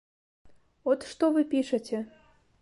От што вы пішаце.